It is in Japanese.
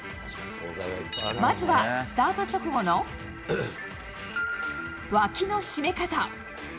まずは、スタート直後の脇の締め方。